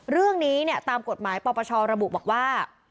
เรื่องนี้เนี่ยตามกฎหมายปปชระบุบอกว่า